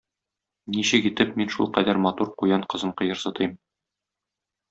Ничек итеп мин шулкадәр матур куян кызын кыерсытыйм!